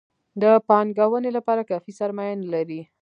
د پانګونې لپاره کافي سرمایه نه لري.